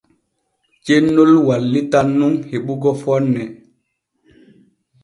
Cennol wallitan nun heɓugo fonne.